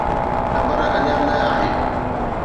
خبر اڃا نه آهي.